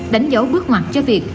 đánh dấu bước ngoặt cho việc